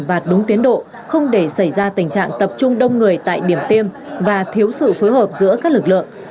và đúng tiến độ không để xảy ra tình trạng tập trung đông người tại điểm tiêm và thiếu sự phối hợp giữa các lực lượng